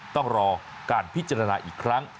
ต้องรอการพิจารณาอีกครั้ง